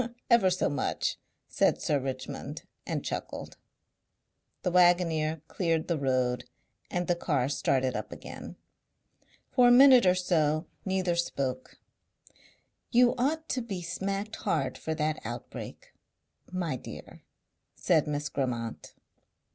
"Ever so much," said Sir Richmond and chuckled. The waggoner cleared the road and the car started up again. For a minute or so neither spoke. "You ought to be smacked hard for that outbreak, my dear," said Miss Grammont.